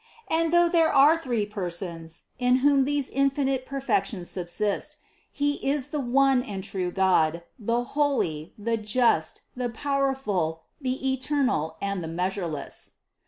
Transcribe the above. And though there are three Persons, in whom these infinite perfections subsist, He is the one and true God, the Holy, the Just, the Power ful, the Eternal and the Measureless.